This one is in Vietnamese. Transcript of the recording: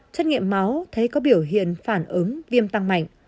xét nghiệm máu thấy có biểu hiện phản ứng viêm tăng mạnh